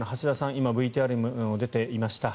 今、ＶＴＲにも出ていました